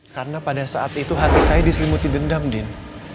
karena pada saat itu hati saya diselimuti dendam din